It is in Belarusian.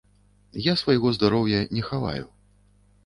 Я свайго здароўя не хаваю.